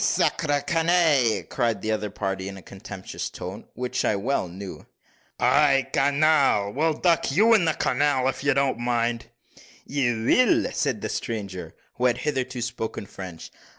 "Sacre, canaille!" cried the other party, in a contemptuous voice, which I well knew. "Ay, canal! we'll duck you in the canal, if you don't mind." "You will!" said the stranger, who had hitherto spoken French.